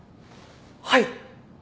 はい。